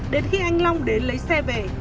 đến khi anh long đến lấy xe về